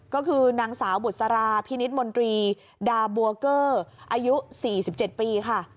ก็คือนางสาวบุษราพินิษฐมนตรีดาบัวเกอร์อายุ๔๗ปีค่ะ